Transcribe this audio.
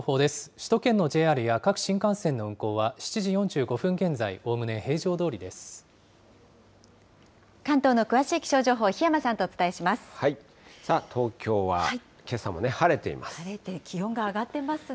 首都圏のＪＲや各新幹線の運行は７時４５分現在、おおむね平常ど関東の詳しい気象情報、檜山さあ、東京はけさも晴れてい晴れて気温が上がってますね。